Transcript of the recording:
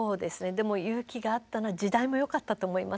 でも勇気があったな時代もよかったと思います。